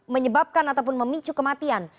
menyebabkan ataupun memicu kematian